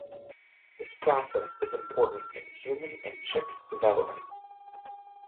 This process is important in human and chick development.